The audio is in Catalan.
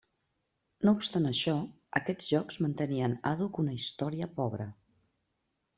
No obstant això, aquests jocs mantenien àdhuc una història pobra.